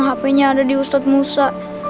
haikalnya ada di ustadz musa